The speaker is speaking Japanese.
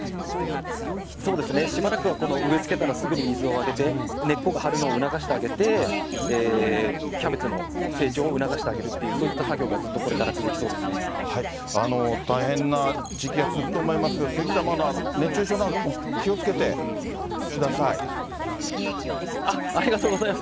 そうですね、しばらくはこの植え付けたらすぐに水をあげて、根っこが張るのを促してあげて、キャベツの成長を促してあげるというような作業がずっとこれから大変な時期が続くと思いますけど、鈴木さんも熱中症など、ありがとうございます。